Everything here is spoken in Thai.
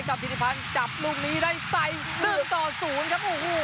กับจิติพันธ์จับลูกนี้ได้ใส่ลืมต่อศูนย์ครับโอ้โห